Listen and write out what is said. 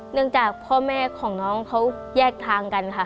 จากพ่อแม่ของน้องเขาแยกทางกันค่ะ